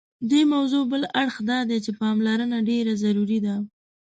دې موضوع بل اړخ دادی چې پاملرنه ډېره ضروري ده.